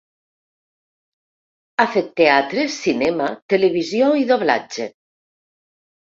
Ha fet teatre, cinema, televisió i doblatge.